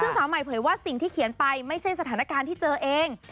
ซึ่งสาวใหม่เผยว่าสิ่งที่เขียนไปไม่ใช่สถานการณ์ที่เจอเอง